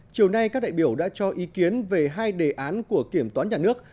chiều nay các đại biểu đã cho ý kiến về hai đề án của kiểm toán nhà nước